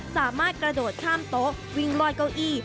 สามารถกระโดดข้ามโต๊ะวิ่งลอดเก้าอี้